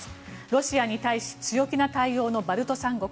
ロシアに対し強気な対応のバルト三国。